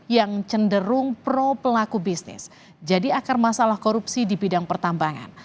yang cenderung pro pelaku bisnis jadi akar masalah korupsi di bidang pertambangan